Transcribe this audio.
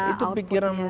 itu pikiran pemahaman